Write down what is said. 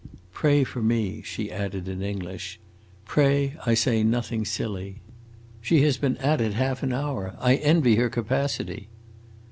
"Pray for me," she added in English. "Pray, I say nothing silly. She has been at it half an hour; I envy her capacity!"